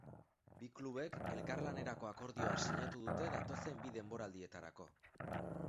Bi klubek elkarlanerako akordioa sinatu dute datozen bi denboraldietarako.